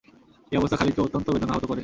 এ অবস্থা খালিদ কে অত্যন্ত বেদনাহত করে।